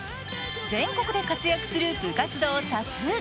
全国で活躍する部活動多数。